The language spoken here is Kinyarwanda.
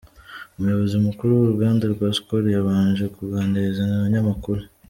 Umuyobozi mukuru w'uruganda rwa Skol yabanje kuganiriza abanyamakuru.